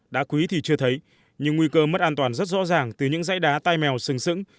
đá quý thì chưa thấy nhưng nguy cơ mất an toàn rất rõ ràng từ những dãy đá tai mèo sừng sững